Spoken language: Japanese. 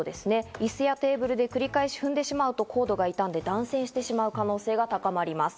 椅子やテーブルで繰り返し踏んでしまうと、コードが傷んで断線してしまう可能性が高まります。